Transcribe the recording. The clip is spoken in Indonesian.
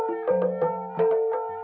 tunggu tunggu tunggu